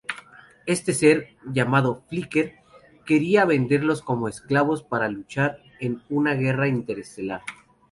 Este ser, llamado Flicker, quería venderlos como esclavos para luchar en una guerra interestelar.